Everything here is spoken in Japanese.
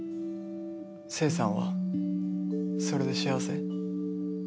聖さんはそれで幸せ？